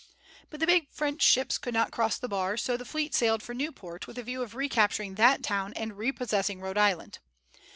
But the big French ships could not cross the bar, so the fleet sailed for Newport with a view of recapturing that town and repossessing Rhode Island.